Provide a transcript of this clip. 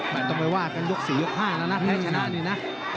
ไม่ต้องไปว่ากันยกสุดยกห้านะนะแท่ชนะเนี่ยนะ